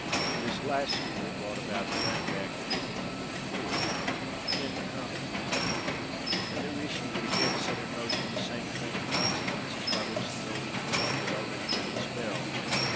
This last school brought about the Bank Act of 1844.(284) [A] new issue would again set in motion the same train of consequences by which the gold coin had already been expelled.